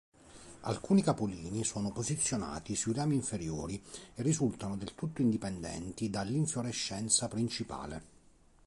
Alcuni capolini sono posizionati sui rami inferiori e risultano del tutto indipendenti dall'infiorescenza principale.